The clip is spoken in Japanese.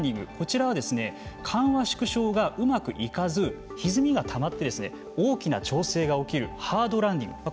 こちらは緩和縮小がうまくいかずひずみがたまって大きな調整が起こるハードランディング。